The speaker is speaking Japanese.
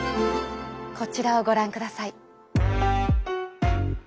こちらをご覧ください。